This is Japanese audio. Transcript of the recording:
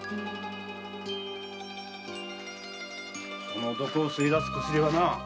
その毒を吸い出す薬はな